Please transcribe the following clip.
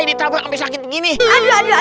ya ampun ampun banget banget bocah ya